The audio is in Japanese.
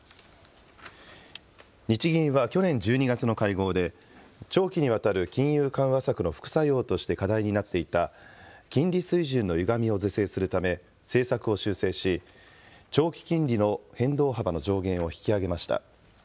日銀は去年１２月の会合で、長期にわたる金融緩和策の副作用として課題になっていた、金利水準のゆがみを是正するため、政策を修正し、長期金利の変動幅の上限を引き上げました。